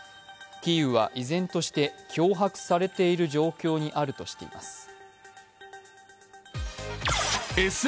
キーウは依然として脅迫されている状況にあるとしています。